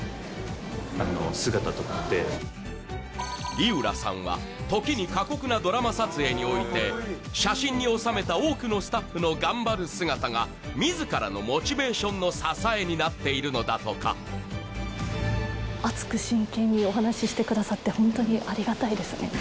井浦さんは時に過酷なドラマ撮影において写真に収めた多くのスタッフの頑張る姿が自らのモチベーションの支えになっているのだとかホントにありがたいですね